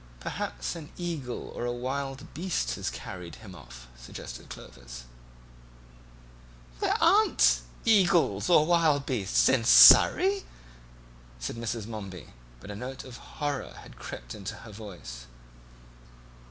"Perhaps an eagle or a wild beast has carried him off," suggested Clovis. "There aren't eagles and wild beasts in Surrey," said Mrs. Momeby, but a note of horror had crept into her voice.